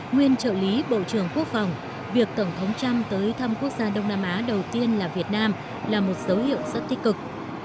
nguyên trợ lý bộ trưởng quốc phòng việc tổng thống trump tới thăm quốc gia đông nam á đầu tiên là việt nam là một dấu hiệu rất tích cực